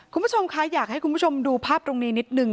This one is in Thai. คุณผู้ชมคะอยากให้คุณผู้ชมดูภาพตรงนี้นิดนึง